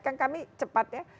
kan kami cepat ya